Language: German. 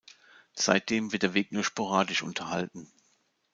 Seitdem wird der Weg nur sporadisch unterhalten.